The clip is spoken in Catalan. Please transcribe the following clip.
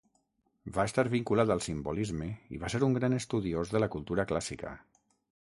Va estar vinculat al simbolisme i va ser un gran estudiós de la cultura clàssica.